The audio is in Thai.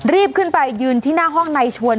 รีบขึ้นไปยืนที่หน้าห้องนายชวน